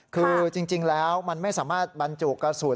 คือจริงแล้วมันไม่สามารถบรรจุกระสุน